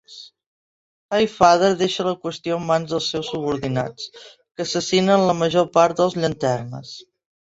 Highfather deixa la qüestió en mans dels seus subordinats, que assassinen la major part dels Llanternes.